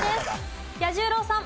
彌十郎さん。